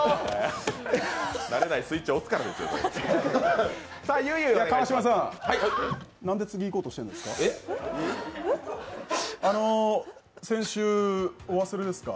慣れないスイッチ押すからですよ。